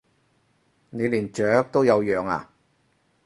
你連雀都有養啊？